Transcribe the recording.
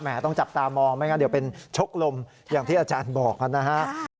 ต้องจับตามองไม่งั้นเดี๋ยวเป็นชกลมอย่างที่อาจารย์บอกนะฮะ